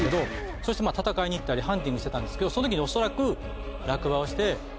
そして戦いに行ったりハンティングしてたんですけどその時に恐らく。